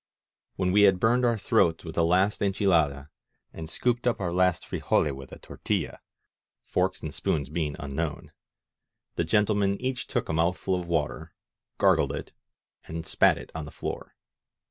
When we had burned our throats with the last en chfiada^ and scooped up our last frijole with a tor tilla^ — forks and spoons being unknown, — the gentle men each took a mouthful of water, gargled it, and spat it on the floor.